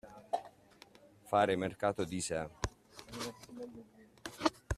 Fare mercato di sé.